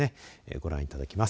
ご覧いただけます。